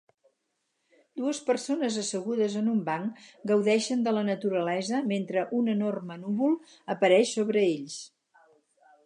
Dues persones assegudes en un banc gaudeixen de la naturalesa mentre un enorme núvol apareix sobre ells.